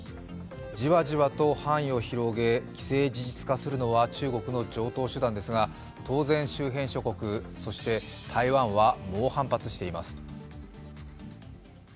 じわじわと範囲を広げ既成事実化するのは中国の常套手段ですが当然、周辺諸国、そして台湾は猛反発しています。